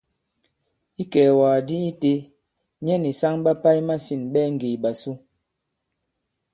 Ikɛ̀ɛ̀wàgàdi itē, nyɛ nì saŋ ɓa pà i masîn ɓɛɛ ŋgè ìɓàsu.